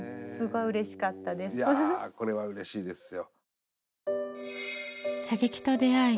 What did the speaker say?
いやこれはうれしいですよ。